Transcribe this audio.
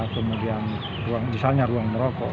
kemudian misalnya ruang berokok